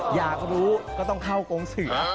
อยากรู้ก็ต้องเข้ากงเสือ